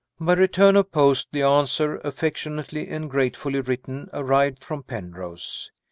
By return of post the answer, affectionately and gratefully written, arrived from Penrose.